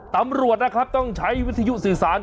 ตำรวจนะครับต้องใช้วิทยุสื่อสาร